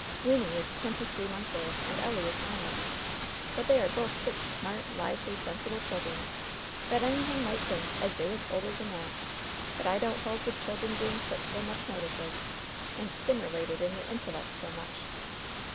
"Wynnie is twenty three months old, and Ellie is nine months; but they are both sich smart, lively, sensible children that any one might think as they was older than that. But I don't hold with children being took so much notice of, and stimmerlated in their intellects so much.